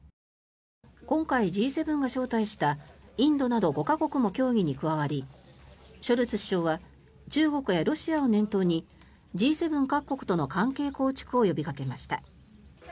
今回、Ｇ７が招待したインドなど５か国も協議に加わりショルツ首相は中国やロシアを念頭にＧ７各国との関係構築を呼びかけました。